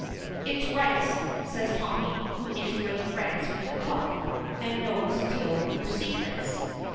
"It's rice," says Tommy, who is great friends with the cook, and knows till her secrets.